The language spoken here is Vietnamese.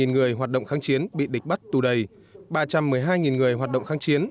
một mươi người hoạt động kháng chiến bị địch bắt tù đầy ba trăm một mươi hai người hoạt động kháng chiến